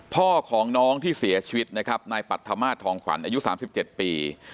พ่อของน้องที่เสียชีวิตนะครับนายปรัฐมาสทองขวัญอายุ๓๗ปี